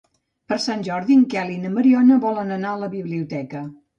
Per Sant Jordi en Quel i na Mariona volen anar a la biblioteca.